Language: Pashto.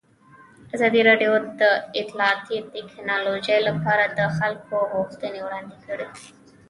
ازادي راډیو د اطلاعاتی تکنالوژي لپاره د خلکو غوښتنې وړاندې کړي.